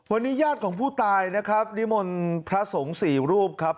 วันนี้ญาติของผู้ตายนะครับนิมนต์พระสงฆ์สี่รูปครับ